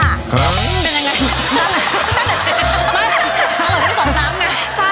อืมเป็นยังไง